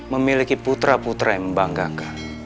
memiliki putra putra yang membanggakan